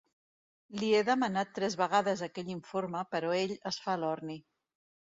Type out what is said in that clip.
Li he demanat tres vegades aquell informe, però ell es fa l'orni.